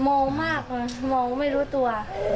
เมามากเมาไม่รู้ตัว